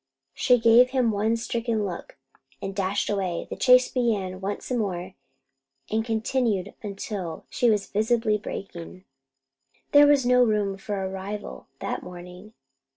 She gave him one stricken look, and dashed away. The chase began once more and continued until she was visibly breaking. There was no room for a rival that morning.